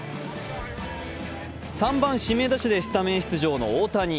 ３番・指名打者でスタメン出場の大谷。